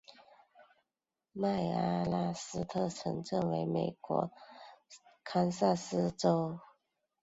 麦阿拉斯特镇区为美国堪萨斯州洛根县辖下的镇区。